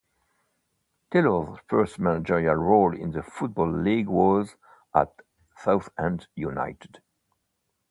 Taylor's first managerial role in the Football League was at Southend United.